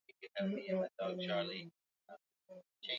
aa usiondoke ukiwa hapo dodoma tutarudi kwako hivi